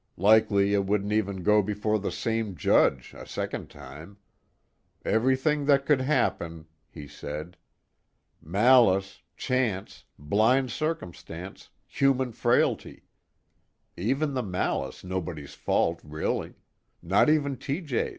Likely it wouldn't even go before the same judge, a second time. Everything that could happen," he said. "Malice, chance, blind circumstance, human frailty. Even the malice nobody's fault really not even T.J.'